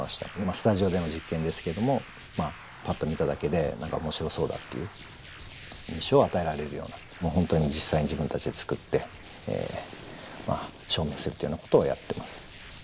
スタジオでの実験ですけれどもパッと見ただけで何か面白そうだっていう印象を与えられるような本当に実際に自分たちで作って証明するというようなことをやってます。